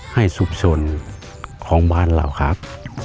ให้สุขสนของบ้านเราครับ